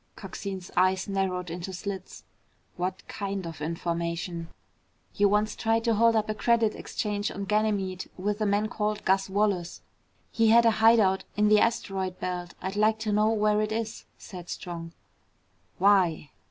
Coxine's eyes narrowed into slits. "What kind of information?" "You once tried to hold up a Credit Exchange on Ganymede with a man called Gus Wallace. He had a hide out in the asteroid belt. I'd like to know where it is," said Strong. "Why?"